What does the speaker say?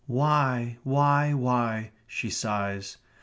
"Why? Why? Why?" she sighs.